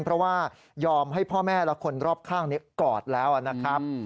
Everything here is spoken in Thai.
เพราะว่ายอมให้พ่อแม่และคนรอบข้างกอดแล้วนะครับ